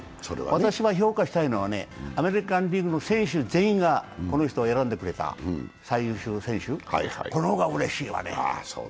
私が評価したいのはアメリカンリーグの選手全員がこの人を選んでくれた、最優秀選手この方がうれしいわね。